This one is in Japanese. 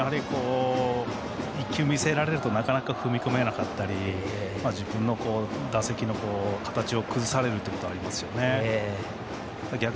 １球目攻められるとなかなか踏み込めなかったり自分の打席の形を崩されるということはありますよね。